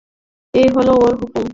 এই হল ওঁর হুকুম।